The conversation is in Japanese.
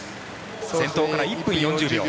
先頭から１分４０秒。